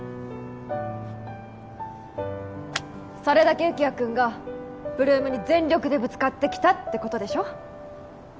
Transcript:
それだけ有起哉君が８ＬＯＯＭに全力でぶつかってきたってことでしょ